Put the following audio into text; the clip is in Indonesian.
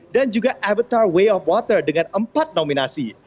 dan juga avatar way of water dengan empat nominasi